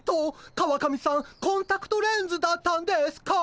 川上さんコンタクトレンズだったんですか？